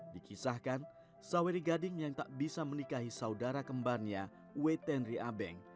dikisahkan saweri gading yang tak bisa menikahi saudara kembarnya wetenri abeng